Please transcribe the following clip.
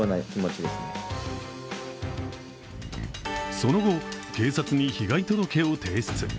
その後、警察に被害届を提出。